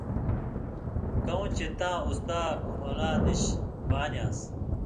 کؤں چےۡ تاں اُستا مھولا دِش بانیان٘س